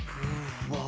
うわ。